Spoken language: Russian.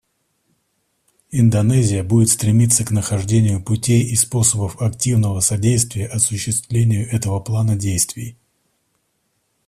Индонезия будет стремиться к нахождению путей и способов активного содействия осуществлению этого плана действий.